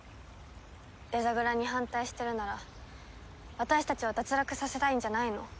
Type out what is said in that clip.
デザグラに反対してるなら私たちを脱落させたいんじゃないの？